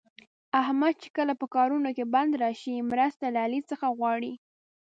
احمد چې کله په کارونو کې بند راشي، مرسته له علي څخه غواړي.